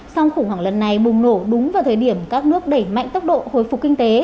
song khủng hoảng lần này bùng nổ đúng vào thời điểm các nước đẩy mạnh tốc độ hồi phục kinh tế